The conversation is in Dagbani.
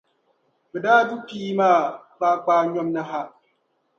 bɛ daa du pii maa kpaakpaanyom ni ha.